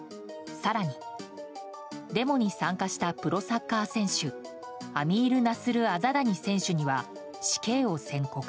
更に、デモに参加したプロサッカー選手アミール・ナスル・アザダニ選手には死刑を宣告。